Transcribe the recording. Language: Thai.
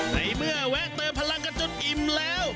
ในเมื่อแวะเติมพลังกันจนอิ่มแล้ว